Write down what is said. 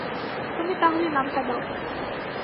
তুমিই তা হলে নামটা দাও।